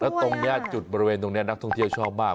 แล้วตรงนี้จุดบริเวณตรงนี้นักท่องเที่ยวชอบมาก